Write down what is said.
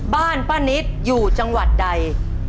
บ้านป้านิตอยู่จังหวัดใด